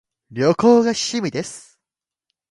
旅行が趣味です